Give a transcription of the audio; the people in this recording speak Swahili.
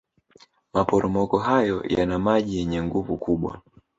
maporomoko hayo yaana maji yenye nguvu kubwa